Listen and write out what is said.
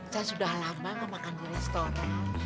saya sudah lama gak makan di restoran